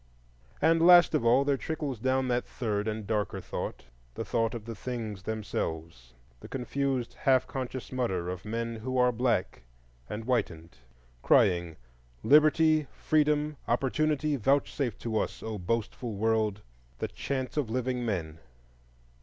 And last of all there trickles down that third and darker thought,—the thought of the things themselves, the confused, half conscious mutter of men who are black and whitened, crying "Liberty, Freedom, Opportunity—vouchsafe to us, O boastful World, the chance of living men!"